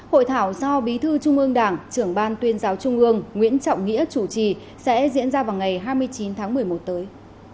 hội thảo do bí thư trung ương đảng trưởng ban tuyên giáo trung ương nguyễn trọng nghĩa chủ trì sẽ diễn ra vào ngày hai mươi chín tháng một mươi một tới